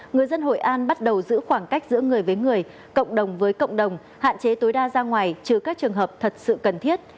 người dân hội an bắt đầu giữ khoảng cách giữa người với người cộng đồng với cộng đồng hạn chế tối đa ra ngoài trừ các trường hợp thật sự cần thiết